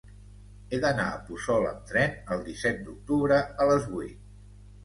He d'anar a Puçol amb tren el disset d'octubre a les vuit.